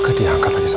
tadi angkat juga